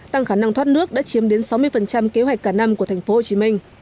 tăng khả năng thoát nước đã chiếm đến sáu mươi kế hoạch cả năm của thành phố hồ chí minh